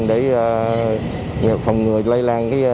để phòng ngừa lây lan